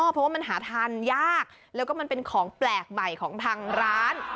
เพราะว่ามันหาทานยากแล้วก็มันเป็นของแปลกใหม่ของทางร้าน